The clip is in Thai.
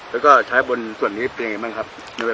แล้วก็ใช้บนส่วนนี้เป็นยังไงบ้างครับ